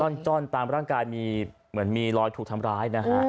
จ้อนตามร่างกายมีเหมือนมีรอยถูกทำร้ายนะฮะ